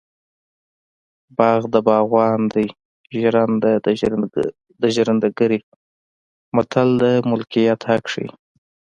باغ د باغوان دی ژرنده د ژرندګړي متل د ملکیت حق ښيي